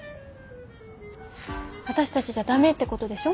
私たちじゃダメってことでしょ？